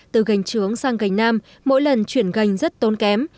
từ gành trướng sang gành nam mỗi lần chuyển gành rất tốn kém